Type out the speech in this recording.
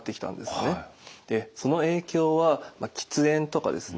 その影響は喫煙とかですね